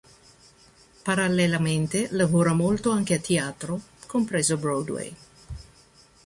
Parallelamente lavora molto anche a teatro, compreso Broadway.